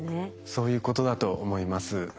そういうことだと思います。